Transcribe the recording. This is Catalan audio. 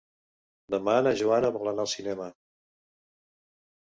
Demà na Joana vol anar al cinema.